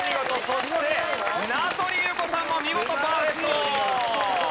そして名取裕子さんも見事パーフェクト！